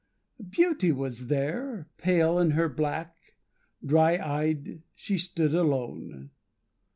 Beauty was there, Pale in her black; dry eyed; she stood alone.